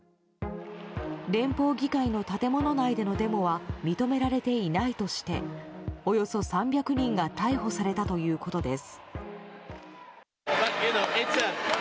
連邦議会の建物内でのデモは認められていないとしておよそ３００人が逮捕されたということです。